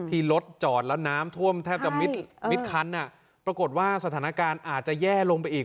ที่รถจอดแล้วน้ำท่วมแทบจะมิดคันปรากฏว่าสถานการณ์อาจจะแย่ลงไปอีก